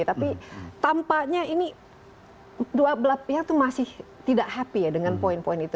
tapi tampaknya ini dua belah pihak itu masih tidak happy ya dengan poin poin itu